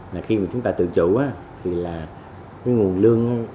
mà khi mà chúng ta tự chủ thì là cái nguồn lương